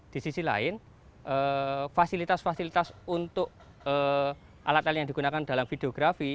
di sisi lain fasilitas fasilitas untuk alat alat yang digunakan dalam videografi